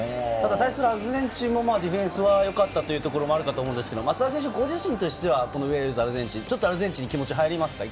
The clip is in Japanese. アルゼンチンもディフェンスは良かったと思うんですが、松田選手、ご自身としてウェールズ対アルゼンチン、アルゼンチンに気持ちが入りますか？